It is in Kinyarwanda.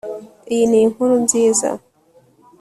Iyi ni inkuru nziza